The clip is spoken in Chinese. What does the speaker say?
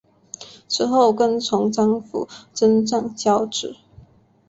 此后跟从张辅征战交址。